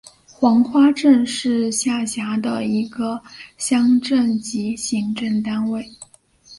黄花镇是下辖的一个乡镇级行政单位。